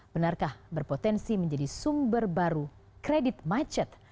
benarkah berpotensi menjadi sumber baru kredit macet